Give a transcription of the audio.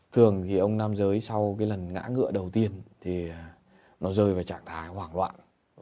thường thì ông nam giới sau cái lần ngã ngựa đầu tiên thì nó rơi vào trạng thái hoảng loạn